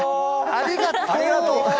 ありがとう。